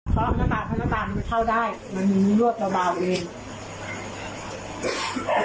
เพราะหน้าตาเพราะหน้าตามันเข้าได้มันมีรวดเบาเอง